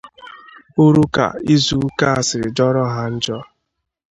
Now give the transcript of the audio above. hụrụ ka izu ụka a siri jọrọ ha njọ.